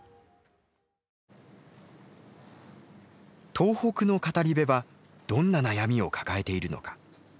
東北の語り部はどんな悩みを抱えているのか。